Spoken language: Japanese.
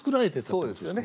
そうですね。